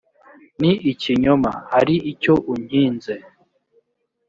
ni ikinyoma hari icyo unkinze.